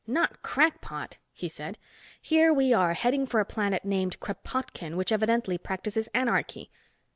"Not crackpot!" he said. "Here we are heading for a planet named Kropotkin which evidently practices anarchy."